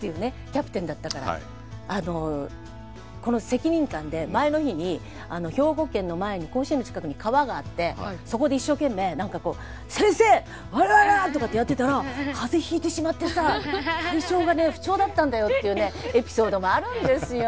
キャプテンだったからこの責任感で前の日に兵庫県の前に甲子園の近くに川があってそこで一生懸命何かこう「宣誓我々は！」とかってやってたら風邪ひいてしまってさ体調が不調だったんだよっていうエピソードもあるんですよ。